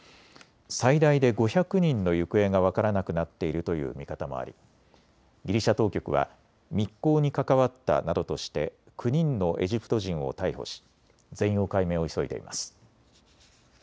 最大で５００人の行方が分からなくなっているという見方もありギリシャ当局は密航に関わったなどとして９人のエジプト人を逮捕し全容解明を急いでいます。